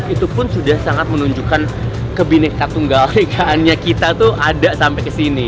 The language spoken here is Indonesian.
itu pun sudah sangat menunjukkan kebinekatunggal rekaannya kita tuh ada sampai ke sini